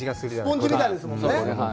スポンジみたいですもんね。